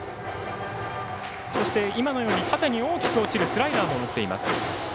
そして縦に大きく落ちるスライダーも持っています。